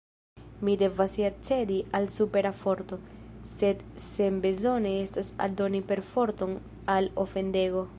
Mi devas ja cedi al supera forto, sed senbezone estas aldoni perforton al ofendego.